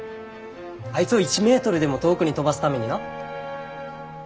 あいつを１メートルでも遠くに飛ばすためにな。